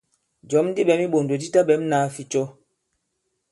Jɔ̌m di ɓɛ̌m i iɓòndò di taɓɛ̌m nāa ficɔ.